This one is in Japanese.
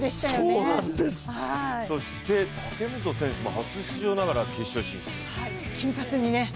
そして武本選手も初出場ながら決勝進出。